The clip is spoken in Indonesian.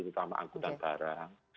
terutama angkutan barang